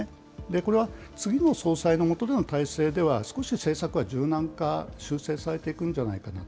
これは次の総裁の下での体制では、少し政策は柔軟化、修正されてくるんじゃないかなと。